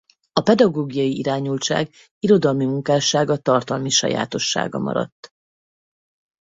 A pedagógiai irányultság irodalmi munkássága tartalmi sajátossága maradt.